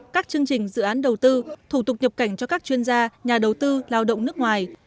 các chương trình dự án đầu tư thủ tục nhập cảnh cho các chuyên gia nhà đầu tư lao động nước ngoài